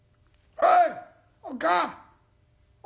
おい！